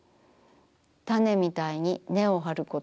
種みたいに根をはること。